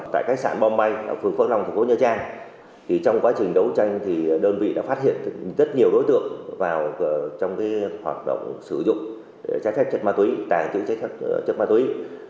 tại khách sạn bombay phường phương long thị trang trong quá trình đấu tranh đơn vị đã phát hiện rất nhiều đối tượng vào trong hoạt động sử dụng trái phép chất ma túy tàng trữ chất ma túy